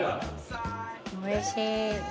おいしい。